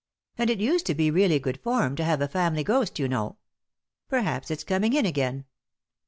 And it used to be really good form to have a family ghost, you know. Perhaps it's coming in again.